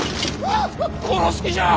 殺す気じゃ！